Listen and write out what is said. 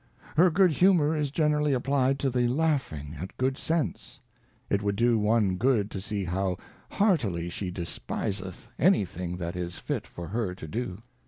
Her good Humour is generally applied to the laughing at good Sense. It would do one good to see how heartily she despiseth any thing that is fit for her to do.